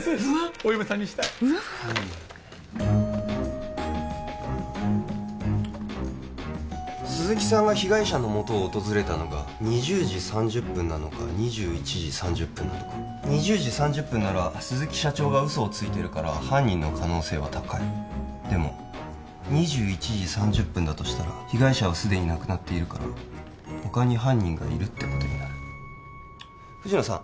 お嫁さんにしたいうわっ鈴木さんが被害者のもとを訪れたのが２０時３０分なのか２１時３０分なのか２０時３０分なら鈴木社長が嘘をついてるから犯人の可能性は高いでも２１時３０分だとしたら被害者は既に亡くなっているから他に犯人がいるってことになる藤野さん